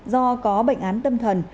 do có bệnh án tâm thần